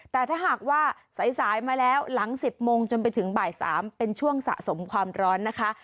แต่ถ้าหากว่าสายมาแล้วหลัง๑๐โมงจนไปถึงบ่าย๓เป็นช่วงสะสมความร้อนนะคะ